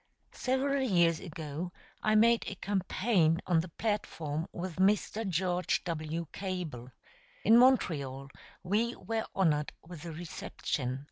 ] Several years ago I made a campaign on the platform with Mr. George W. Cable. In Montreal we were honored with a reception.